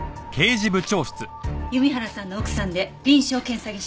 弓原さんの奥さんで臨床検査技師です。